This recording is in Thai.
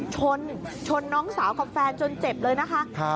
ชนชนน้องสาวกับแฟนจนเจ็บเลยนะคะ